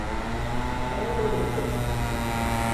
А я добры дзяцюк.